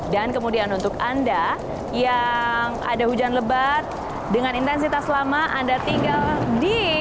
dan kemudian untuk anda yang ada hujan lebat dengan intensitas lama anda tinggal di